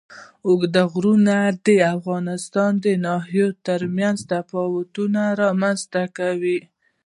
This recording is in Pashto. اوږده غرونه د افغانستان د ناحیو ترمنځ تفاوتونه رامنځ ته کوي.